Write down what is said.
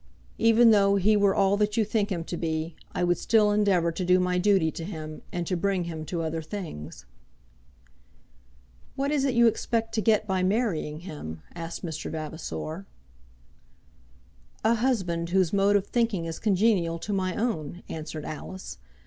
Even though he were all that you think him to be, I would still endeavour to do my duty to him, and to bring him to other things." "What is it you expect to get by marrying him?" asked Mr. Vavasor. "A husband whose mode of thinking is congenial to my own," answered Alice.